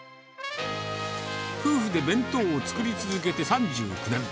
夫婦で弁当を作り続けて３９年。